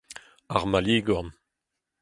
ar maligorn